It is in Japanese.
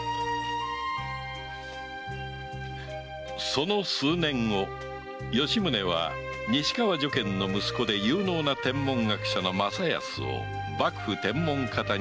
その数年後吉宗は西川如見の息子で有能な天文学者の正休を幕府天文方に登用した